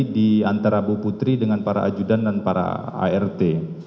di antara bu putri dengan para ajudan dan para art